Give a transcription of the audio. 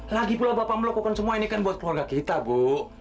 lagi pula bapak melakukan semua ini kan buat keluarga kita bu